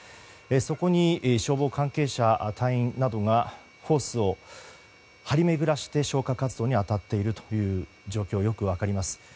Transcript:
そこに消防関係者、隊員などがホースを張り巡らせて消火活動に当たっているという状況がよく分かります。